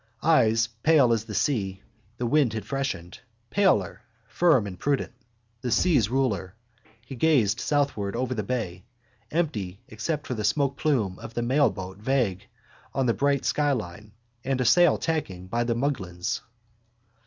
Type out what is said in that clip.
Eyes, pale as the sea the wind had freshened, paler, firm and prudent. The seas' ruler, he gazed southward over the bay, empty save for the smokeplume of the mailboat vague on the bright skyline and a sail tacking by the Muglins.